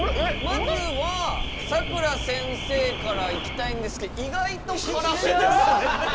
まずはさくら先生からいきたいんですけど意外と辛めですね。